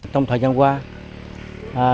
trong thời gian qua